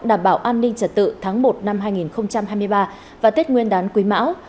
đảm bảo an ninh trật tự tháng một năm hai nghìn hai mươi ba và tết nguyên đán quý mão